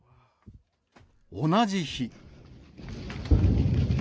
同じ日。